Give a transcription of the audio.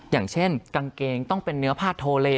อย่างเช่นกางเกงต้องเป็นเนื้อผ้าโทเล